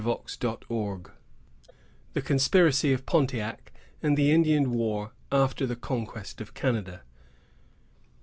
THE CONSPIRACY OF PONTIAC AND THE INDIAN WAR AFTER THE CONQUEST OF CANADA.